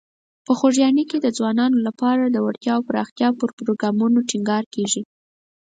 په خوږیاڼي کې د ځوانانو لپاره د وړتیاوو پراختیا پر پروګرامونو ټینګار کیږي.